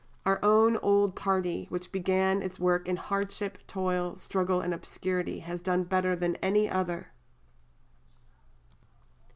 Our own old party which began its work in hardship, toil, struggle, and obscurity has done better than any other."